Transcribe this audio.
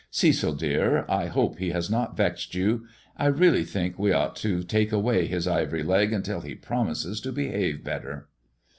" Cecil dear, I hop© he has not vexed you. I really think we ought to take away his ivory leg until he promises to hehave better."